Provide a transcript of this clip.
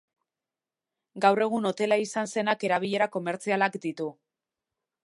Gaur egun hotela izan zenak erabilera komertzialak ditu.